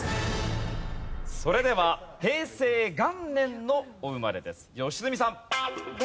それでは平成元年のお生まれです吉住さん。